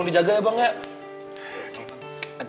hati hati pulangnya ya